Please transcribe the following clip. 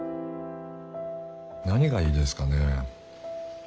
何がいいですかね？